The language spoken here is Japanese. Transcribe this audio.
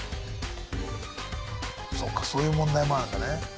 そうかそういう問題もあるんだね。